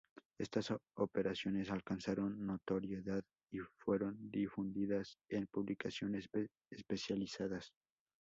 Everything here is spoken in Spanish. Estas operaciones alcanzaron notoriedad y fueron difundidas en publicaciones especializadas.